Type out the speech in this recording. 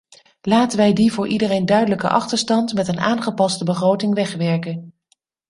Laten wij die voor iedereen duidelijke achterstand met een aangepaste begroting wegwerken.